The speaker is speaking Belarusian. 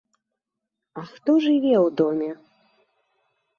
А хто жыве ў доме?